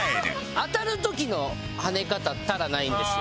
当たる時の跳ね方ったらないんですよ。